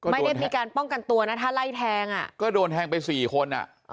ไม่ได้มีการป้องกันตัวนะถ้าไล่แทงอ่ะก็โดนแทงไปสี่คนอ่ะ